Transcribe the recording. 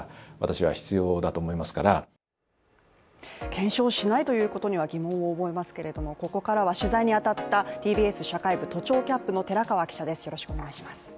検証しないということには疑問を覚えますけれども、ここからは取材に当たったＴＢＳ社会部都庁キャップの寺川記者です。